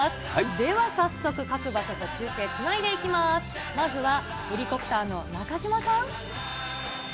では、早速、各場所と中継つないでいきます。まずはヘリコプターの中島さん。